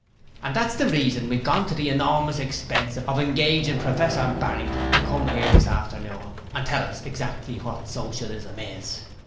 And that's the reason we've gorn to the enormous expense of engaging Professor Barrington to come 'ere this afternoon and tell us exactly what Socialism is.